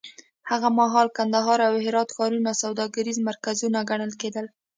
هغه مهال کندهار او هرات ښارونه سوداګریز مرکزونه ګڼل کېدل.